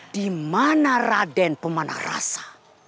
dimana raden pemanah rasa